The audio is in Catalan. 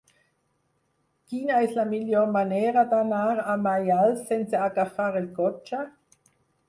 Quina és la millor manera d'anar a Maials sense agafar el cotxe?